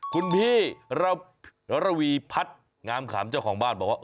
คุณพี่ระวีพัฒน์งามขำเจ้าของบ้านบอกว่า